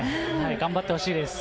頑張ってほしいです。